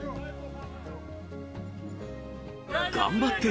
頑張って！